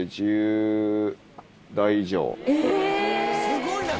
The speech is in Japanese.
「すごいな！